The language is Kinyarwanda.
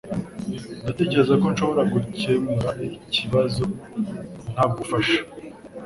Ndatekereza ko nshobora gukemura iki kibazo ntagufasha